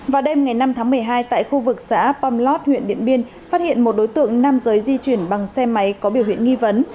vào đêm ngày năm tháng một mươi hai tại khu vực xã pomlot huyện điện biên phát hiện một đối tượng nam giới di chuyển bằng xe máy có biểu hiện nghi vấn